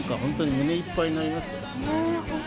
本当に胸いっぱいになります。